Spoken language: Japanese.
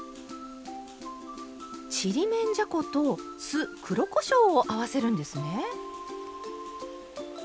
ちりめんじゃこと酢黒こしょうを合わせるんですね！